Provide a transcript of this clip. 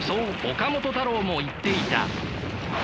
岡本太郎も言っていた。